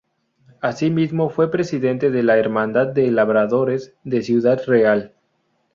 Asimismo fue presidente de la hermandad de labradores de Ciudad Real.